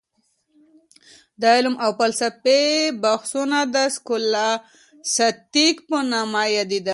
د علم او فلسفې بحثونه د سکولاستيک په نامه يادېدل.